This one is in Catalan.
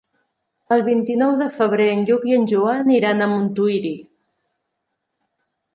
El vint-i-nou de febrer en Lluc i en Joan iran a Montuïri.